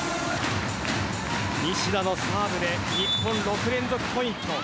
西田のサーブで日本６連続ポイント。